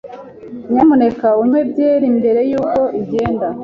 Nyamuneka unywe byeri mbere yuko igenda.